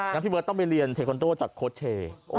ค่ะงั้นพี่เบิร์ดต้องไปเรียนเทคอนโดจากโค้ดเช่